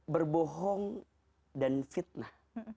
berbohong dan fitnah